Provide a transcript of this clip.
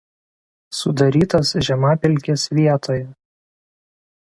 Sudarytas žemapelkės vietoje.